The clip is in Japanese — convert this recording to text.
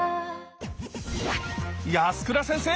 安倉先生！